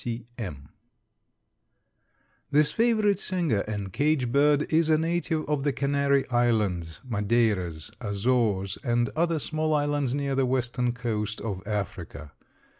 _) C. C. M. This favorite singer and cage bird is a native of the Canary Islands, Madeiras, Azores and other small islands near the western coast of Africa.